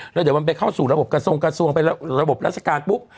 แล้วเดี๋ยวมันไปเข้าสู่ระบบกระทรงกระทรวงไประบบราชการปุ๊บ